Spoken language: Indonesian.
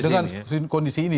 dengan kondisi ini